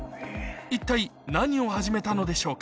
一体何を始めたのでしょうか？